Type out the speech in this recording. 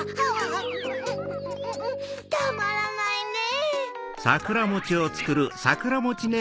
たまらないね！